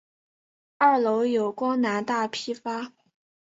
二楼有光南大批发。